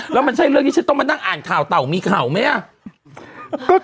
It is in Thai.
แล้วมันใช่เรื่องที่ฉันต้องมานั่งอ่านข่าวเต่ามีข่าวไหมอ่ะ